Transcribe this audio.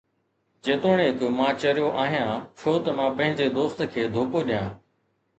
جيتوڻيڪ مان چريو آهيان، ڇو ته مان پنهنجي دوست کي دوکو ڏيان؟